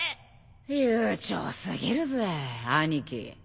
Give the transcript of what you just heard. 悠長過ぎるぜ兄貴。